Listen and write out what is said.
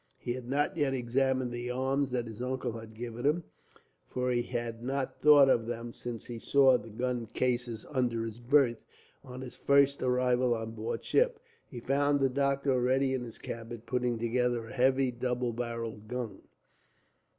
He had not yet examined the arms that his uncle had given him, for he had not thought of them since he saw the gun cases under his berth, on his first arrival on board ship. He found the doctor already in his cabin, putting together a heavy double barrelled gun.